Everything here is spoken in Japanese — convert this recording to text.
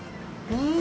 うん！